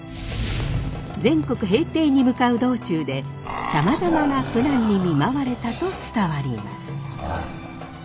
全国平定に向かう道中でさまざまな苦難に見舞われたと伝わります。